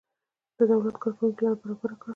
د دولت کارکوونکیو لاره برابره کړه.